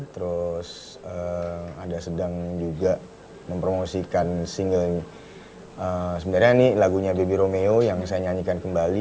terus ada sedang juga mempromosikan single sebenarnya ini lagunya baby romeo yang saya nyanyikan kembali